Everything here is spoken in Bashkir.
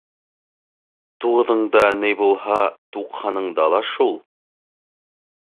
Туғыҙыңда ни булһа, туҡһанында ла шул.